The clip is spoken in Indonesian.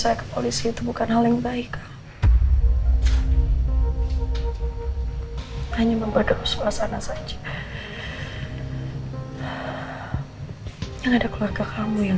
yaudah nanti kabarin aja dimananya ke saya